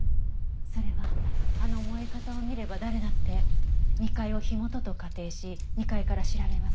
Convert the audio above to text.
それはあの燃え方を見れば誰だって２階を火元と仮定し２階から調べます。